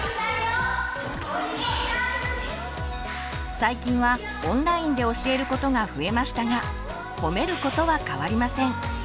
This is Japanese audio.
最近はオンラインで教えることが増えましたが「ほめる」ことは変わりません。